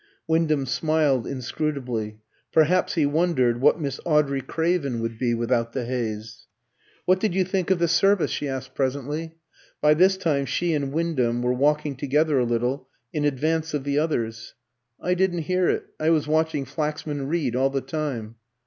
Wyndham smiled inscrutably: perhaps he wondered what Miss Audrey Craven would be without the haze? "What did you think of the service?" she asked presently. By this time she and Wyndham were walking together a little in advance of the others. "I didn't hear it. I was watching Flaxman Reed all the time."